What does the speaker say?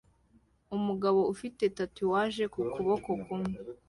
Umugabo ufite tatuwaje ku kuboko kumwe